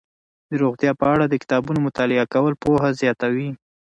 د روغتیا په اړه د کتابونو مطالعه کول پوهه زیاتوي.